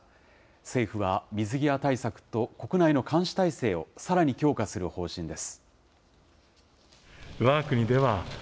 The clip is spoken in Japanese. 政府は水際対策と国内の監視体制をさらに強化する方針です。